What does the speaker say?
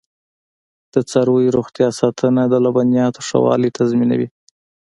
د څارویو روغتیا ساتنه د لبنیاتو ښه والی تضمینوي.